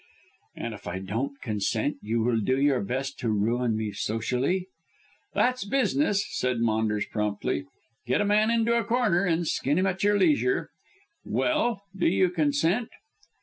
"And if I don't consent you will do your best to ruin me socially?" "That's business," said Maunders promptly. "Get a man into a corner and skin him at your leisure. Well, do you consent?"